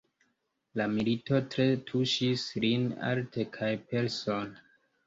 La milito tre tuŝis lin, arte kaj persone.